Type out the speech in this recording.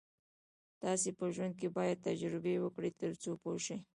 تاسو په ژوند کې باید تجربې وکړئ تر څو پوه شئ.